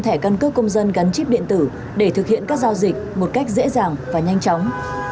thẻ căn cước công dân gắn chip điện tử để thực hiện các giao dịch một cách dễ dàng và nhanh chóng